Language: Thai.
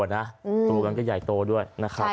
โตกันก็ใหญ่โตด้วย